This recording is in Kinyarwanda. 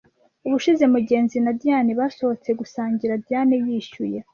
Ubushize Mugenzi na Diyane basohotse gusangira, Diyane yishyuye.